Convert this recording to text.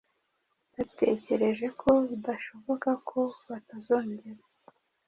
Batekereje ko bidashoboka ko batazongera